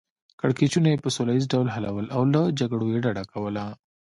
کړکیچونه یې په سوله ییز ډول حلول او له جګړو یې ډډه کوله.